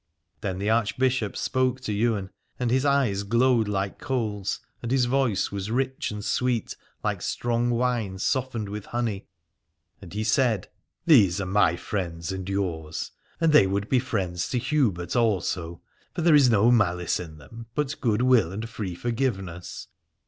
Then the Archbishop spoke to Ywain, and his eyes glowed like coals, and his voice was rich and sweet like strong wine softened with honey, and he said : These are 304 Aladore my friends and yours, and they would be friends to Hubert also, for there is no malice in them, but good will and free forgiveness.